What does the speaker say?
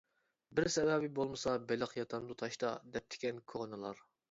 «بىر سەۋەبى بولمىسا بېلىق ياتامدۇ تاشتا» دەپتىكەن كونىلار.